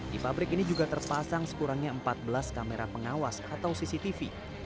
di pabrik ini juga terpasang sekurangnya empat belas kamera pengawas atau cctv